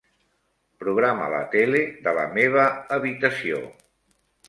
Programa la tele de la meva habitació.